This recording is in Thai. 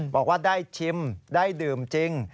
บอกว่าได้ชิมได้ดื่มจริง